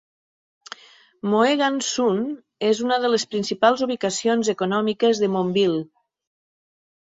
Mohegan Sun és una de les principals ubicacions econòmiques de Montville.